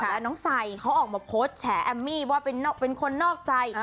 แล้วน้องไซดเขาออกมาโพสต์แฉแอมมี่ว่าเป็นคนนอกใจ